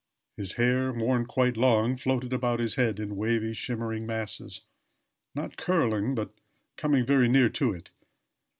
His hair, worn quite long, floated about his head in wavy, shimmering masses not curling but coming very near to it.